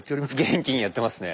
元気にやってますね。